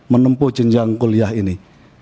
menempuh jenjang kuliah ini